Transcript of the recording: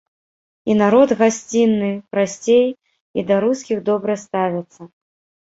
І народ гасцінны, прасцей, і да рускіх добра ставяцца.